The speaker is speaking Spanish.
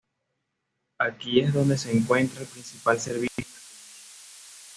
Aquí es donde se encuentra el principal servicio de mantenimiento.